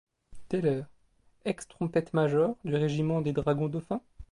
Teller, ex-trompette-major du régiment des dragons Dauphin ?